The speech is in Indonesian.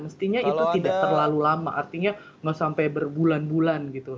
mestinya itu tidak terlalu lama artinya mau sampai berbulan bulan gitu